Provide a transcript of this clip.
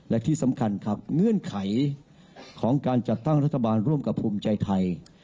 และที่สำคัญครับเงื่อนไขของการจัดตั้งรัฐบาลร่วมกับภูมิใจไทย